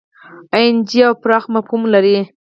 اېن جي او پراخ مفهوم لري.